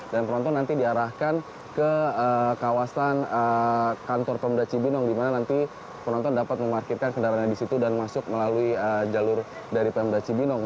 dan penonton nanti diarahkan ke kawasan kantor pemda cibinong di mana nanti penonton dapat memarketkan kendaraannya di situ dan masuk melalui jalur dari pemda cibinong